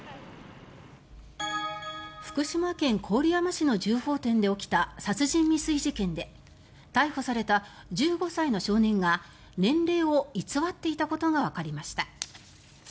福島県郡山市の銃砲店で起きた殺人未遂事件で逮捕された１５歳の少年が年齢を偽っていたことがわかりました。